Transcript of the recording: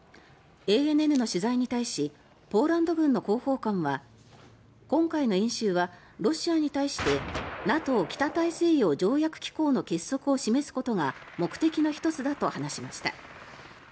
ＡＮＮの取材に対しポーランド軍の広報官は今回の演習はロシアに対してＮＡＴＯ・北大西洋条約機構の結束を示すことが目的の１つだと話しました。